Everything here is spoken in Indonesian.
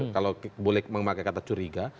kalau boleh memakai kata curiga